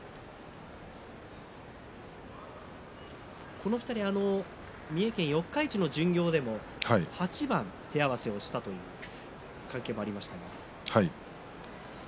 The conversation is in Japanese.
この２人三重県四日市の巡業でも８番手合わせをしたという話です。